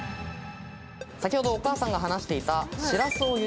先ほどお母さんが話していた。